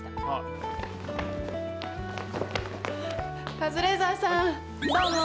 カズレーザーさんどうも！